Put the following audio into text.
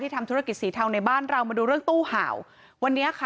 ทำธุรกิจสีเทาในบ้านเรามาดูเรื่องตู้ห่าววันนี้ค่ะ